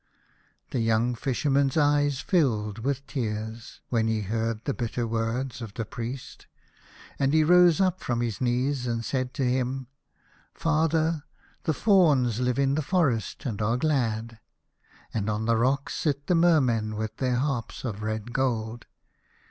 The young Fisherman's eyes filled with 70 The Fisherman and his Soul. tears when he heard the bitter words of the Priest, and he rose up from his knees and said to him, "Father, the Fauns live in the forest and are glad, and on the rocks sit the Mermen with their harps of red gold.